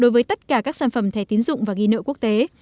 với tất cả các sản phẩm thẻ tín dụng và ghi nợ quốc tế